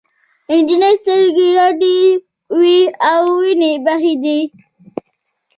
نجلۍ سترګې رډې او وینې بهېدلې.